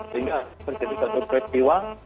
sehingga terjadi satu krediwa